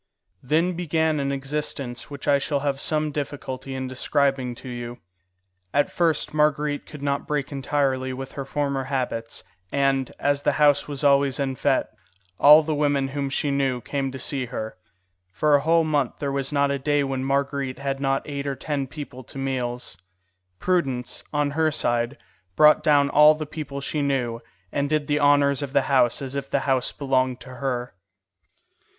Then began an existence which I shall have some difficulty in describing to you. At first Marguerite could not break entirely with her former habits, and, as the house was always en fête, all the women whom she knew came to see her. For a whole month there was not a day when Marguerite had not eight or ten people to meals. Prudence, on her side, brought down all the people she knew, and did the honours of the house as if the house belonged to her.